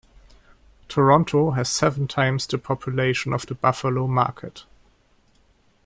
Toronto has seven times the population of the Buffalo market.